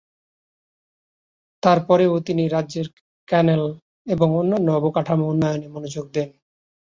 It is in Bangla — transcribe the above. তার পরেও তিনি তার রাজ্যের ক্যানেল এবং অন্যান্য অবকাঠামো উন্নয়নে মনোযোগ দেন।